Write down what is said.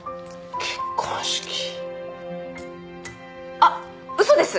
あっ嘘です！